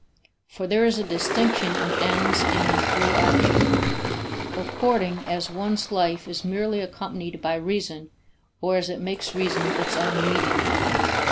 For there is a distinction in ends and in free action, according as one's life is merely accompanied by reason or as it makes reason its own medium.